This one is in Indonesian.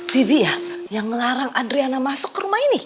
vivi ya yang ngelarang adriana masuk ke rumah ini